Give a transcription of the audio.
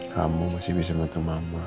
kamu masih bisa bantu mama